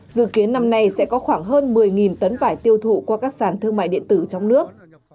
dự kiến năm nay sẽ có khoảng hơn một mươi tấn vải tiêu thụ qua các sản thương mại điện tử trong nước